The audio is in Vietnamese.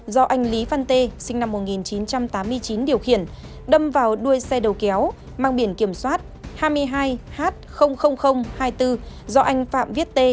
do anh lý văn tê sinh năm một nghìn chín trăm tám mươi chín điều khiển đâm vào đuôi xe đầu kéo mang biển kiểm soát hai mươi hai h hai mươi bốn do anh phạm viết tê